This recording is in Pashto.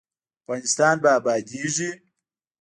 افغانستان به ابادیږي؟